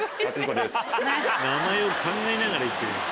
名前を考えながら言ってるよ。